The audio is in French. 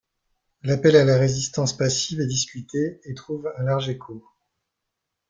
L'appel à la résistance passive est discuté et trouve un large écho.